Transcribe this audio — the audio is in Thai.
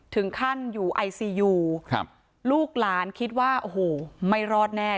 ถึงขั้นอยู่ไอซียูครับลูกหลานคิดว่าโอ้โหไม่รอดแน่